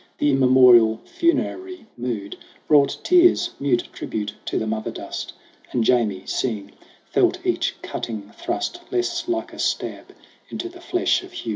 The immemorial funerary mood Brought tears, mute tribute to the mother dust ; And Jamie, seeing, felt each cutting thrust Less like a stab into the flesh of Hugh.